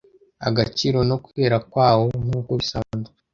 agaciro no kwera kwawo nkuko bisanzwe